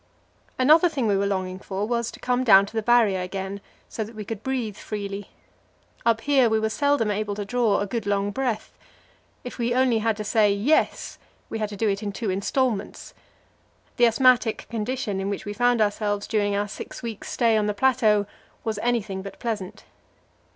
Another thing we were longing for was to come down to the Barrier again, so that we could breathe freely. Up here we were seldom able to draw a good long breath; if we only had to say "Yes," we had to do it in two instalments. The asthmatic condition in which we found ourselves during our six weeks' stay on the plateau was anything but pleasant.